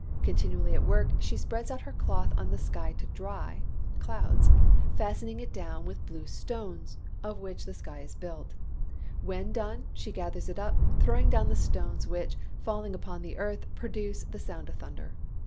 Continually at work, she spreads out her cloth on the sky to dry (clouds) fastening it down with blue stones, of which the sky is built. When done, she gathers it up, throwing down the stones, which, falling upon the earth, produce the sound of thunder.